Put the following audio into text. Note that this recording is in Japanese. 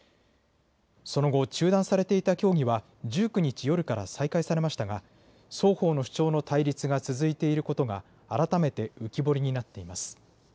その後、中断されていた協議は１９日夜から再開されましたが双方の主張の対立が続いていることが改めて浮き彫りになっています。